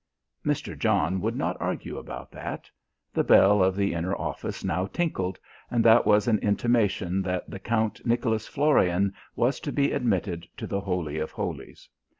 Mr. John would not argue about that. The bell of the inner office now tinkled, and that was an intimation that the Count Nicholas Florian was to be admitted to the Holy of Holies.